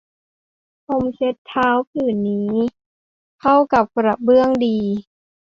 พรมเช็ดเท้าผืนนี้สีเข้ากับกระเบื้องดี